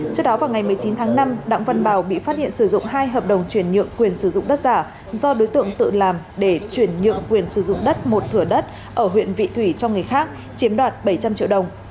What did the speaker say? trước đó vào ngày một mươi chín tháng năm đặng văn bào bị phát hiện sử dụng hai hợp đồng chuyển nhượng quyền sử dụng đất giả do đối tượng tự làm để chuyển nhượng quyền sử dụng đất một thửa đất ở huyện vị thủy cho người khác chiếm đoạt bảy trăm linh triệu đồng